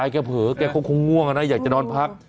เนี่ยเผลอแกคงคงง่วงอะนะอยากจะนอนพัก